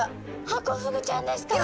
ハコフグちゃんですか？